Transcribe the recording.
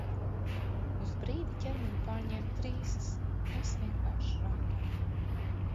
Uz brīdi ķermeni pārņēma trīsas, un es vienkārši raudāju.